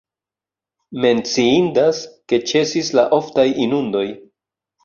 Menciindas, ke ĉesis la oftaj inundoj.